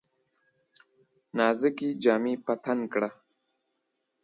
نازکي جامې په تن کړه !